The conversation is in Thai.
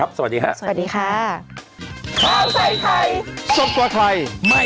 โปรดติดตามตอนต่อไป